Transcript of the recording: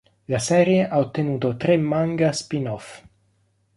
La serie ha ottenuto tre manga spin-off.